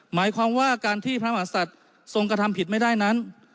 หมายความว่าการที่พระมหาศัตริย์ทรงกระทำผิดไม่ได้นั้น